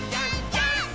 ジャンプ！！